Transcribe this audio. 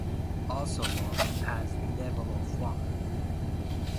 Also known as devil of war.